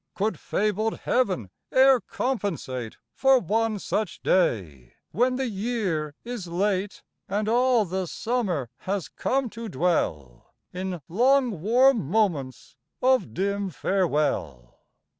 Could fabled Heaven e'er compensate For one such day, when the year is late, And all the Summer has come to dwell In long warm moments of dim farewell?